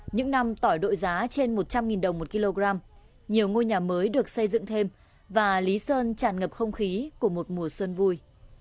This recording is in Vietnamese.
những năm tỏi đội giá trên một trăm linh đồng một kg nhiều ngôi nhà mới được xây dựng thêm và lý sơn tràn ngập không khí của một mùa xuân vui